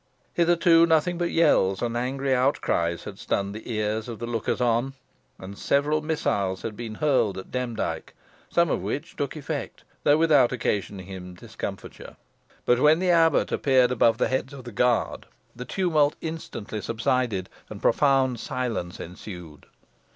Hitherto nothing but yells and angry outcries had stunned the ears of the lookers on, and several missiles had been hurled at Demdike, some of which took effect, though without occasioning discomfiture; but when the abbot appeared above the heads of the guard, the tumult instantly subsided, and profound silence ensued.